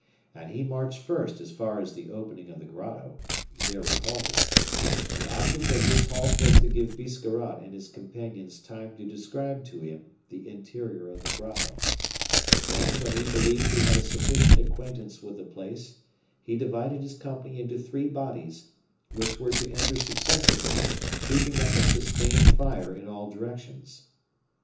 And he marched first as far as the opening of the grotto. There he halted. The object of this halt was to give Biscarrat and his companions time to describe to him the interior of the grotto. Then, when he believed he had a sufficient acquaintance with the place, he divided his company into three bodies, which were to enter successively, keeping up a sustained fire in all directions.